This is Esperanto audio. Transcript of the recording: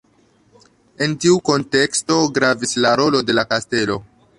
En tiu kunteksto gravis la rolo de la kastelo.